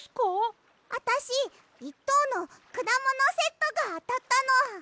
あたし１とうのくだものセットがあたったの。